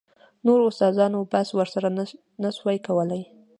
نورو استادانو بحث ورسره نه سو کولاى.